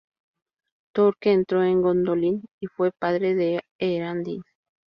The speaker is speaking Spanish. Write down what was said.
Tuor que entró en Gondolin y fue padre de Eärendil.